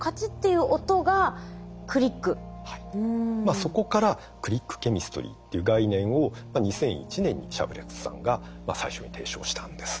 そこからクリックケミストリーっていう概念を２００１年にシャープレスさんが最初に提唱したんです。